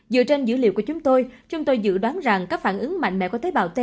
dựa trên dữ liệu của chúng tôi chúng tôi dự đoán rằng các phản ứng mạnh mẽ có tế bào ti